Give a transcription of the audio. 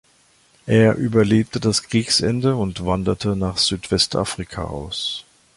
Er überlebte das Kriegsende und wanderte nach Südwestafrika aus.